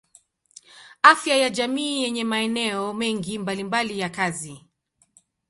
Afya ya jamii yenye maeneo mengi mbalimbali ya kazi.